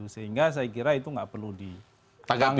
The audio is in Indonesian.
sehingga saya kira itu tidak perlu ditagangin